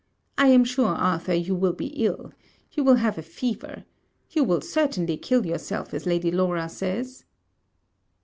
'I am sure, Arthur, you will be ill. You will have a fever. You will certainly kill yourself, as Lady Laura says.'